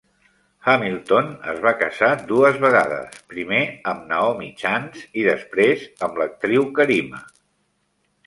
Hamilton es va casar dues vegades, primer amb Naomi Chance i després amb l'actriu Kerima.